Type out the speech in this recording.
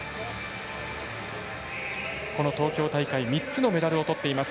東京大会３つのメダルをとっています。